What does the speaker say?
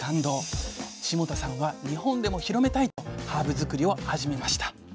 霜多さんは「日本でも広めたい！」とハーブ作りを始めました。